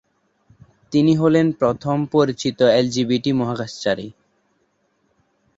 তিনি হলেন প্রথম পরিচিত এলজিবিটি মহাকাশচারী।